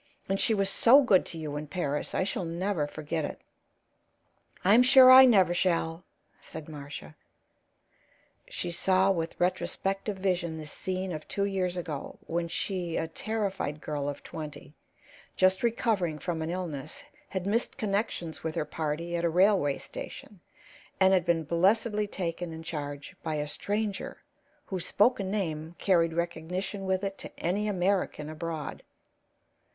And she was so good to you in Paris. I shall never forget it." "I'm sure I never shall," said Marcia. She saw with retrospective vision the scene of two years ago, when she, a terrified girl of twenty, just recovering from an illness, had missed connections with her party at a railway station, and had been blessedly taken in charge by a stranger whose spoken name carried recognition with it to any American abroad.